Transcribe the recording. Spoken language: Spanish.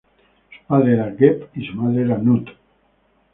Su padre era Geb y su madre era Nut.